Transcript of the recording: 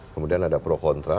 kemudian ada pro kontra